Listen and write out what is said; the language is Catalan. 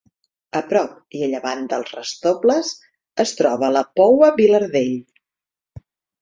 A prop i a llevant dels Restobles es troba la Poua Vilardell.